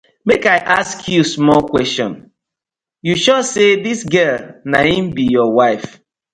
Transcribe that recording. Mek I ask yu small question, yu sure say dis gal na im be yur wife?